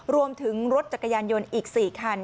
รวมถึงรถจักรยานยนต์อีก๔คัน